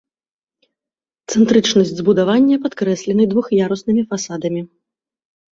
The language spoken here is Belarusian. Цэнтрычнасць збудавання падкрэслена і двух'яруснымі фасадамі.